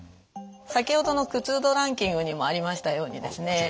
先ほどの苦痛度ランキングにもありましたようにですね